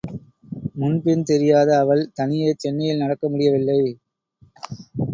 முன்பின் தெரியாத அவள் தனியே சென்னையில் நடக்க முடியவில்லை.